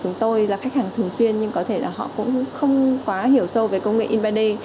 chúng tôi là khách hàng thường xuyên nhưng có thể là họ cũng không quá hiểu sâu về công nghệ in ba d